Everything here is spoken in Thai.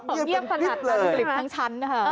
เงียบกันกริบเลย